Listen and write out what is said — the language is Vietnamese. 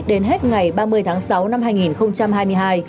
đến hết ngày ba mươi tháng sáu năm hai nghìn hai mươi hai